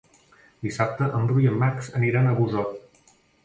Dissabte en Bru i en Max aniran a Busot.